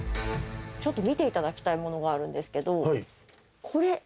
ちょっと見ていただきたいものがあるんですけどこれ。